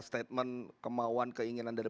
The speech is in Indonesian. statement kemauan keinginan dari